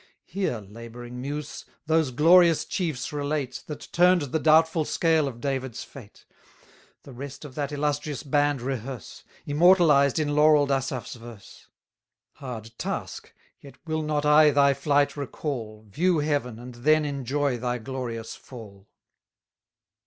Here, labouring muse! those glorious chiefs relate, That turn'd the doubtful scale of David's fate; The rest of that illustrious band rehearse, Immortalized in laurell'd Asaph's verse: Hard task! yet will not I thy flight recall, View heaven, and then enjoy thy glorious fall.